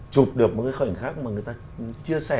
chụp được một cái khoảnh khắc mà người ta chia sẻ